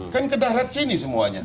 kan ke darat sini semuanya